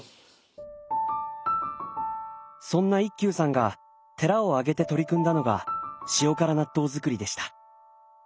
そんな一休さんが寺を挙げて取り組んだのが塩辛納豆造りでした。